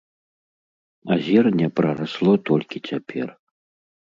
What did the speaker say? А зерне прарасло толькі цяпер.